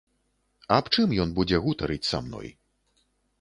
Аб чым ён будзе гутарыць са мной?